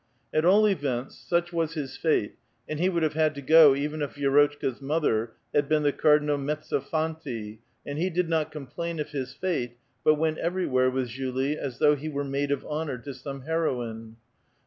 At all events, such was his fate, and he would have had to go even if Vi^rotchka's mother had been the Cardinal Mezzofanti ;^ and he did not complain of his fate, but went everywhere with Julie, as though he were maid of honor to some heroine